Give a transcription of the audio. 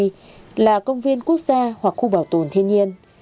đây là công viên quốc gia hoặc khu bảo tồn thiên nhiên